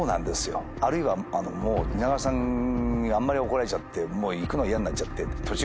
あるいは蜷川さんにあんまり怒られちゃってもう行くの嫌になっちゃって。